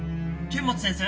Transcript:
剣持先生！？